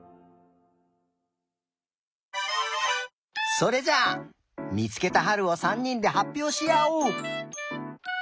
それじゃあみつけたはるを３にんではっぴょうしあおう。